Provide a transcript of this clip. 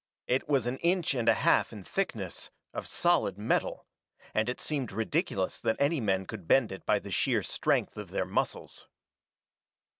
It was an inch and a half in thickness, of solid metal, and it seemed ridiculous that any men could bend it by the sheer strength of their muscles.